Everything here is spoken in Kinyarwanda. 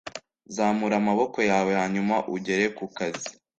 zamura amaboko yawe hanyuma ugere ku kazi